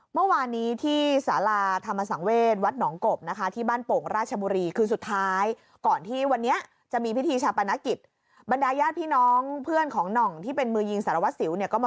เมื่อวานนี้ที่สาราธรรมสังเวชวัดหนองกบนะคะ